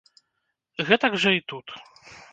Гэтак жа і тут.